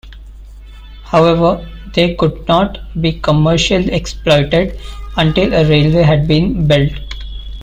However, they could not be commercially exploited until a railway had been built.